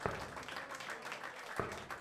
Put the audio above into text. সন্ত্রাসীরা মহিলাদের গায়ে হাত তোলে না।